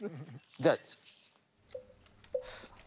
じゃあ。